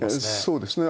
そうですね。